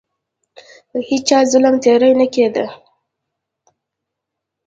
په هیچا ظلم او تیری نه کېده.